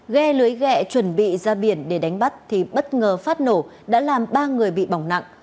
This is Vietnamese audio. ghe lưới ghẹ chuẩn bị ra biển để đánh bắt thì bất ngờ phát nổ đã làm ba người bị bỏng nặng